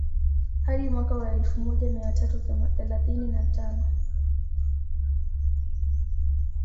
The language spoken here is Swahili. Hadi mwaka wa elfu moja mia tatu thelathini na tano